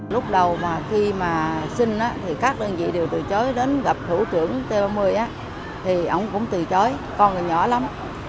lúc đầu mà khi mà sinh á thì các đơn vị đều từ chối đến gặp thủ trưởng t ba mươi á thì ông cũng từ chối con còn nhỏ lắm